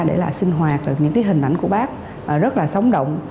để là sinh hoạt những cái hình ảnh của bác rất là sống động